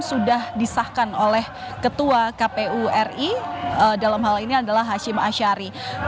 sudah disahkan oleh ketua kpu ri dalam hal ini adalah hashim ashari